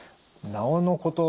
なおのこと